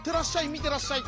みてらっしゃい。